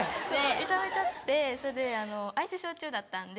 痛めちゃってそれでアイスショー中だったんで。